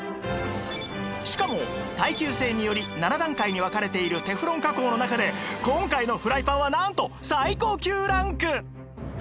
しかも耐久性により７段階に分かれているテフロン加工の中で今回のフライパンはなんと最高級ランク！